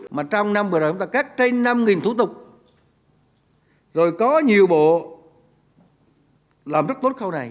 mà trong năm vừa rồi chúng ta cắt trên năm thủ tục rồi có nhiều bộ làm rất tốt khâu này